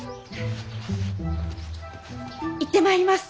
行ってまいります。